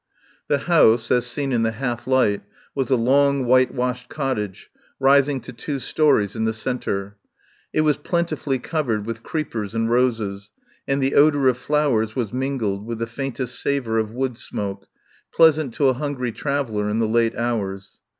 The house, as seen in the half light, was a long white washed cottage, rising to two storeys in the centre. It was plentifully cov ered with creepers and roses, and the odour of flowers was mingled with the faintest savour of wood smoke, pleasant to a hungry traveller in the late hours.